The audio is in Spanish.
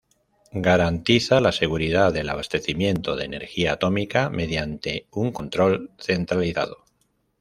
Garantiza la seguridad del abastecimiento de energía atómica mediante un control centralizado.